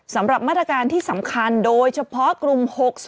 สำหรับมาตรการที่สำคัญโดยเฉพาะกลุ่ม๖๐